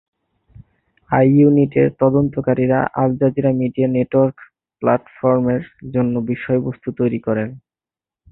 আই-ইউনিটের তদন্তকারীরা Al Jazeera media network প্ল্যাটফর্মের জন্য বিষয়বস্তু তৈরি করেন।